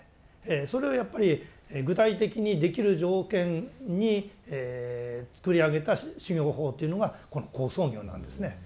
それをやっぱり具体的にできる条件に作り上げた修行法というのがこの好相行なんですね。